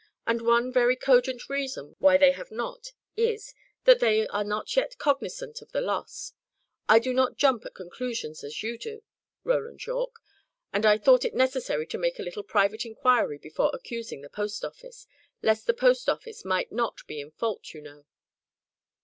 And one very cogent reason why they have not, is, that they are not yet cognizant of the loss. I do not jump at conclusions as you do, Roland Yorke, and I thought it necessary to make a little private inquiry before accusing the post office, lest the post office might not be in fault, you know."